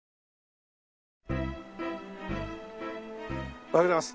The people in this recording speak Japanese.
おはようございます。